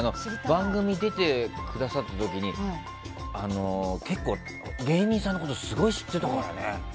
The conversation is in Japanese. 番組に出てくださった時に結構、芸人さんのことすごい知っていたからね。